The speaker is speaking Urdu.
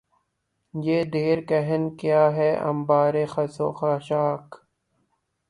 یہ دیر کہن کیا ہے انبار خس و خاشاک